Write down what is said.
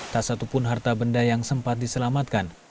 tak satupun harta benda yang sempat diselamatkan